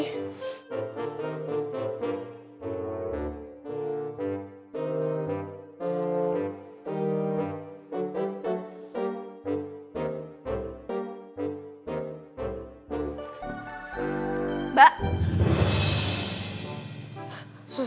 tidak ada lagi